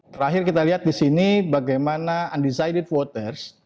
terakhir kita lihat disini bagaimana undecided voters